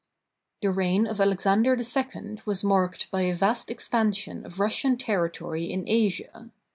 The reign of Alexander II was marked by a vast expansion of Russian territory in Asia.